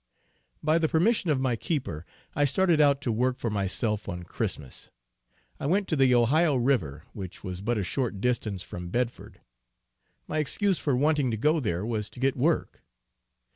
By the permission of my keeper, I started out to work for myself on Christmas. I went to the Ohio River, which was but a short distance from Bedford. My excuse for wanting to go there was to get work.